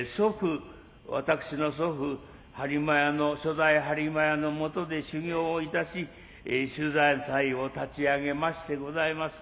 私の祖父播磨屋の初代播磨屋のもとで修業をいたし秀山祭を立ち上げましてございます。